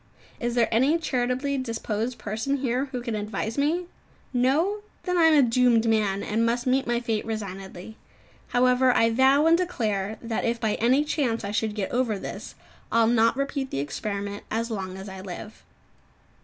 Is there any charitably disposed person here who can advise me? No? Then I am a doomed man, and must meet my fate resignedly. However, I vow and declare that if by any chance I should get over this, I'll not repeat the experiment as long as I live.